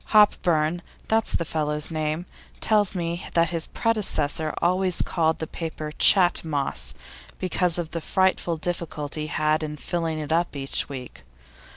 Hopburn that's the fellow's name tells me that his predecessor always called the paper Chat moss, because of the frightful difficulty he had in filling it up each week.